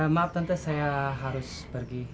maaf tentu saya harus pergi